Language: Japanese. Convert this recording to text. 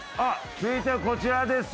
続いてはこちらですね。